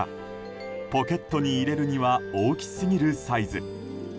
ポケットに入れるには大きすぎるサイズ。